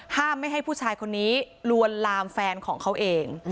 ไม่ให้ผู้ชายคนนี้ลวนลามแฟนของเขาเอง